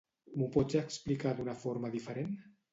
M'ho pots explicar d'una forma diferent?